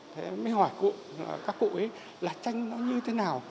thế mới hỏi cụ các cụ ấy là tranh nó như thế nào